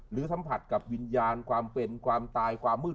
สัมผัสกับวิญญาณความเป็นความตายความมืด